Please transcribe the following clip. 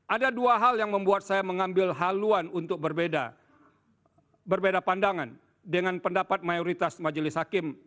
ada dua hal yang membuat saya mengambil haluan untuk berbeda berbeda pandangan dengan pendapat mayoritas majelis hakim